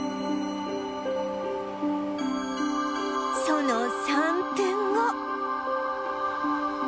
その３分後